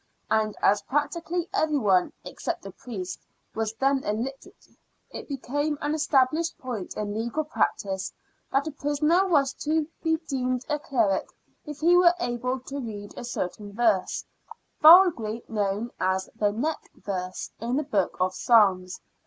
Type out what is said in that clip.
And as practically everyone, except a priest, was then illiterate, it became an established point in legal practice that a prisoner was to be deemed a cleric if he w^ere able to read a certain verse, vulgarly known as the " neck verse," in the Book of Psalms.